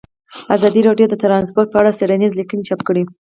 ازادي راډیو د ترانسپورټ په اړه څېړنیزې لیکنې چاپ کړي.